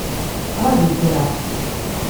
Ṛaju kra.